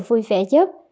vui vẻ chất